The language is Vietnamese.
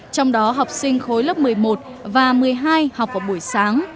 trong đó học sinh khối lớp một mươi một và một mươi hai học vào buổi sáng